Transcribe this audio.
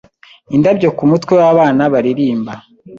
indabyo kumutwe wabana baririrmba